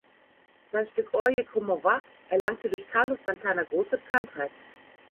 Sein Stück "Oye Como Va" erlangte durch Carlos Santana große Bekanntheit.